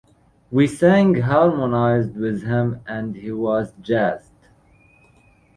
We sang harmonies with him and he was jazzed.